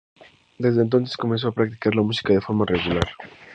Desde entonces comenzó a practicar su música de forma regular.